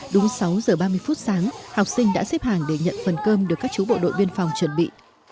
đúng sáu giờ ba mươi phút sáng học sinh đã xếp hàng để nhận phần cơm được các chú bộ đội biên phòng chuẩn bị